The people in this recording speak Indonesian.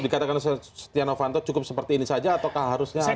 dikatakan stiano fanto cukup seperti ini saja atau harusnya ada lagi